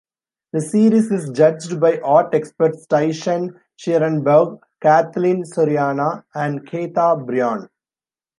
The series is judged by art experts Tai-Shan Schierenberg, Kathleen Soriano and Kate Bryan.